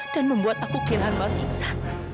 dan membuat aku kehilangan mas iksa